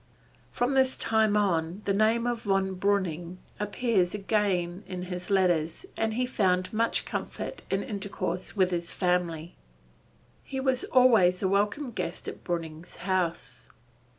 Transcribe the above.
From this time on the name of Von Breuning appears again in his letters and he found much comfort in intercourse with his family. He was always a welcome guest at Breuning's house.